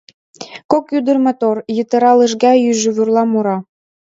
Кок ӱдыр мотор, йытыра Лыжга ӱжӱвӱрла мура.